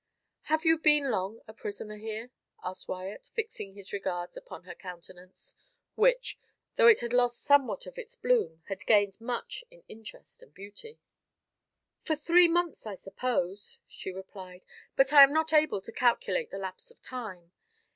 "Have you been long a prisoner here?" asked Wyat, fixing his regards upon her countenance, which, though it had lost somewhat of its bloom, had gained much in interest and beauty. "For three months, I suppose," she replied; "but I am not able to calculate the lapse of time.